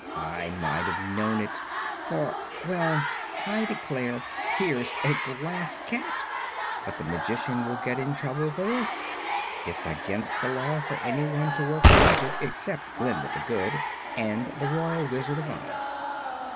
I might have known it, for Well, I declare! here's a glass cat. But the Magician will get in trouble for this; it's against the law for anyone to work magic except Glinda the Good and the royal Wizard of Oz.